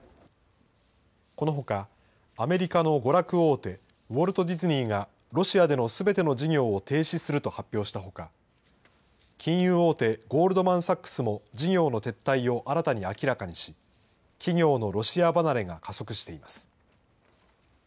このほか、アメリカの娯楽大手、ウォルト・ディズニーが、ロシアでのすべての事業を停止すると発表したほか、金融大手、ゴールドマン・サックスも事業の撤退を新たに明らかにし、企業のロシア離れが加速しています。